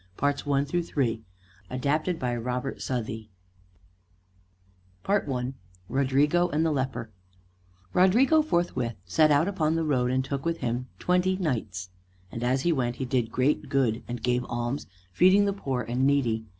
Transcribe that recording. HERO OF SPAIN THE CID ADAPTED BY ROBERT SOUTHEY I RODRIGO AND THE LEPER Rodrigo forthwith set out upon the road, and took with him twenty knights. And as he went he did great good, and gave alms, feeding the poor and needy.